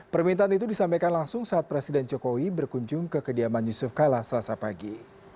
permintaan itu disampaikan langsung saat presiden jokowi berkunjung ke kediaman yusuf kala selasa pagi